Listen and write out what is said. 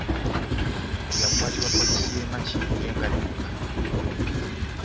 Yakwatibwa poliisi y’e Makindye nga adduka.